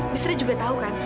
bistri juga tahu kan